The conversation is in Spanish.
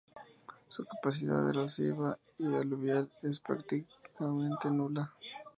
Su capacidad erosiva y aluvial es prácticamente nula.